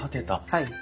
はい。